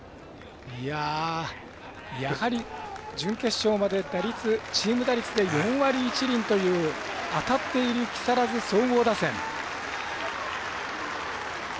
準決勝までチーム打率で４割１厘という当たっている木更津総合打線。